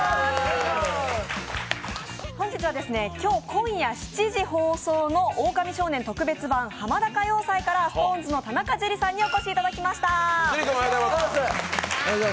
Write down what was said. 本日は今夜７時放送の「オオタミ少年特別版！ハマダ歌謡祭」からＳｉｘＴＯＮＥＳの田中樹さんにお越しいただきました。